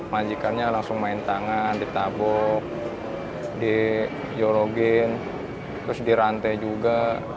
majikannya langsung main tangan ditabuk diyorogin terus dirantai juga